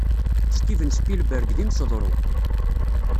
Steven Spielberg d imseḍru.